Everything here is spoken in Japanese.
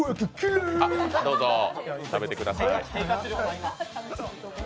あっ、どうぞ、食べてください。